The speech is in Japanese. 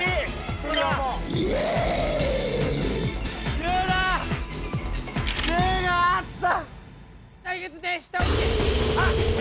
銃があった。